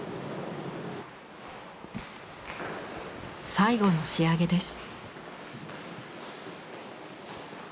最後の仕上げです。